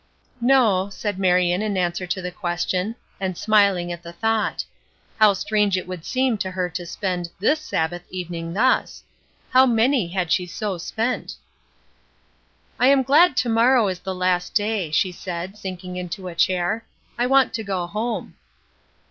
"No," said Marion in answer to the question, and smiling at the thought. How strange it would seem to her to spend this Sabbath evening thus. How many had she so spent! "I am glad to morrow is the last day," she said, sinking into a chair; "I want to go home."